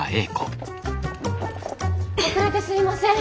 遅れてすいません！